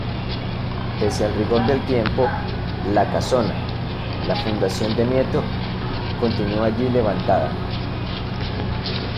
Pese al rigor del tiempo, la casona, la fundación de Nieto, continúa allí levantada.